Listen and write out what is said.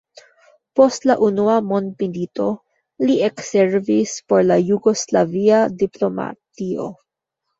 Post la Unua mondmilito, li ekservis por la jugoslavia diplomatio.